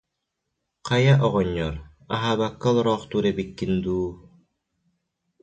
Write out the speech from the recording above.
Хайа, оҕонньор, аһаабакка олороохтуур эбиккин дуу